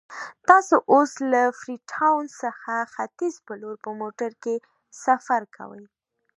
تاسو اوس له فري ټاون څخه ختیځ په لور په موټر کې سفر کوئ.